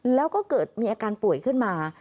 แล้วก็เกิดมีอาการป่วยขึ้นมา